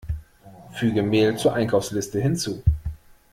Füge Mehl zur Einkaufsliste hinzu!